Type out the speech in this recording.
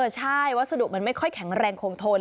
ใช่วัสดุมันไม่ค่อยแข็งแรงคงทน